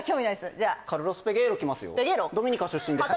じゃあカルロス・ペゲーロ来ますよ